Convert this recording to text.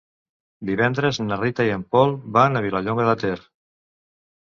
Divendres na Rita i en Pol van a Vilallonga de Ter.